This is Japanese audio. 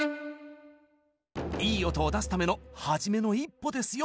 「いい音を出すためのはじめの一歩」ですよ！